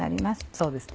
そうですね。